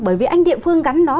bởi vì anh địa phương gắn nó